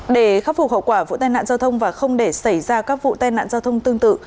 để khắc phục hậu quả vụ tai nạn giao thông và không để xảy ra các vụ tai nạn giao thông tương tự